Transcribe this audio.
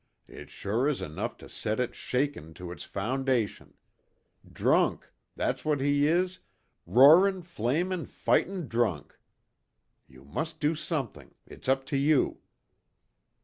It sure is enough to set it shakin' to its foundation. Drunk! That's what he is roarin', flamin', fightin' drunk! You must do something. It's up to you."